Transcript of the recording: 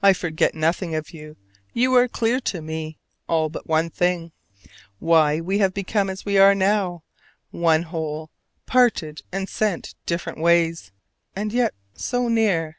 I forget nothing of you: you are clear to me, all but one thing: why we have become as we are now, one whole, parted and sent different ways. And yet so near!